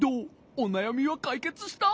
おなやみはかいけつした？